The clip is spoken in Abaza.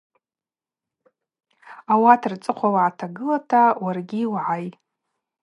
Ауат рцӏыхъва утагылата уаргьи угӏай.